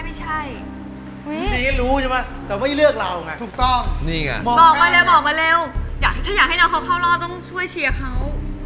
อยากให้น้องเขาเข้ารอบหรือเปล่า